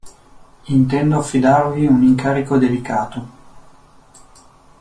Intendo affidarvi un incarico delicato.